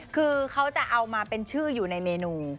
คือเขาจะเอามาเป็นชื่ออยู่ในเมนู